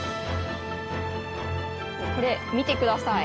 これ見て下さい。